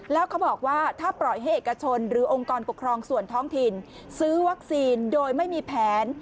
แล้วเขาบอกว่าถ้าปล่อยให้เอกชนหรือองค์กรปกครองส่วนท้องถิ่นซื้อวัคซีนโดยไม่มีแผน